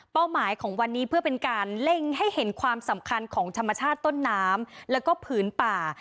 หมายของวันนี้เพื่อเป็นการเล่งให้เห็นความสำคัญของธรรมชาติต้นน้ำแล้วก็ผืนป่า